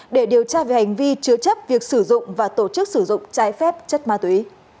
để điều tra về hành vi chứa chấp việc sử dụng và tổ chức sử dụng trái phép chất ma túy